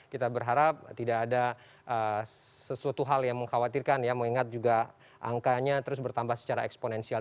kita berharap tidak ada sesuatu hal yang mengkhawatirkan ya mengingat juga angkanya terus bertambah secara eksponensial